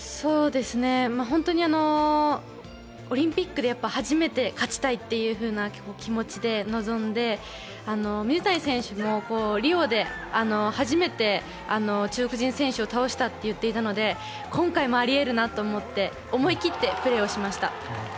本当にオリンピックで初めて勝ちたいって気持ちで臨んで水谷選手もリオで初めて中国人選手を倒したと言っていたので今回もあり得るなと思って思い切ってプレーをしました。